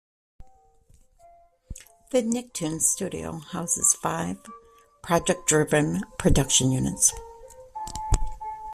The Nicktoons studio houses five, project driven production units.